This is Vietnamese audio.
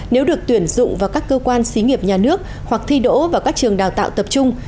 nếu được tuyển dụng vào các cơ quan xí nghiệp nhà nước hoặc thi đỗ vào các trường đào tạo tập trung